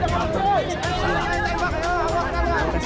di ketakang kabar kedasah